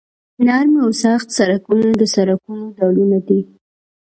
نرم او سخت سرکونه د سرکونو ډولونه دي